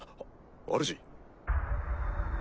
あるじ？